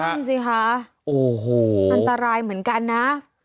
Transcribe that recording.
นั่นสิค่ะมันตรายเหมือนกันนะ